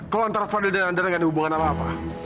kalau antara fadil dan anda nggak ada hubungan sama apa